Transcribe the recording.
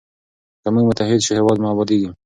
که موږ متحد سو هېواد مو ابادیږي.